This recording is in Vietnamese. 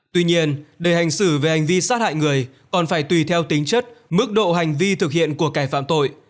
tuy nhiên để hành xử về hành vi sát hại người còn phải tùy theo tính chất mức độ hành vi thực hiện của cải phạm tội